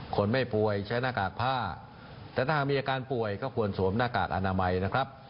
คนไม่ป่วยใช้หน้ากากผ้าแต่ถ้าหากมีอาการป่วยก็ควรสวมหน้ากากอนามัยนะครับ